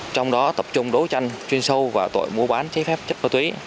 trong đó tập trung đối tranh chuyên sâu và tội mua bán chai phép chất ma tùy